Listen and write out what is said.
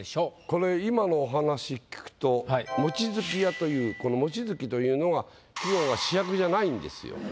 これ今のお話聞くと「望月や」というこの「望月」というのが主役じゃない？